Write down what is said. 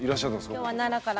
今日は奈良から。